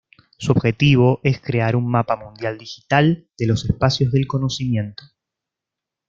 Su objetivo es crear un mapa mundial digital de los espacios del conocimiento.